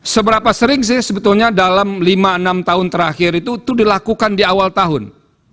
seberapa sering sih sebetulnya dalam lima enam tahun terakhir itu dilakukan di awal tahun